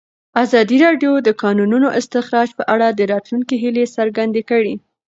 ازادي راډیو د د کانونو استخراج په اړه د راتلونکي هیلې څرګندې کړې.